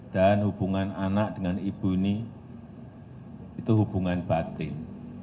dan hubungan anak dengan ibu ini itu hubungan batin